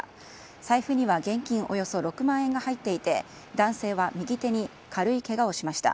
財布には、現金およそ６万円が入っていて男性は右手に軽いけがをしました。